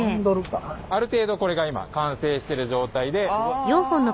ある程度これが今完成してる状態で。